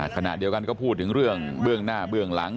ขณะเดียวกันก็พูดถึงเรื่องเบื้องหน้าเบื้องหลัง